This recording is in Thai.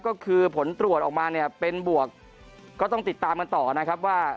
ก็คือผลตรวจออกมาเนี่ยเป็นบวกก็ต้องติดตามกันต่อนะครับว่า